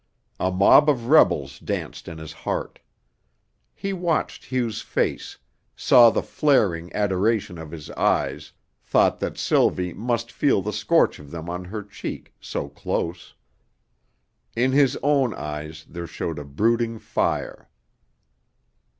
A mob of rebels danced in his heart. He watched Hugh's face, saw the flaring adoration of his eyes, thought that Sylvie must feel the scorch of them on her cheek, so close. In his own eyes there showed a brooding fire.